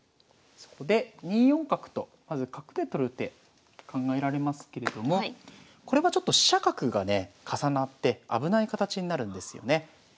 そこで２四角とまず角で取る手考えられますけれどもこれはちょっと飛車角がね重なって危ない形になるんですよね。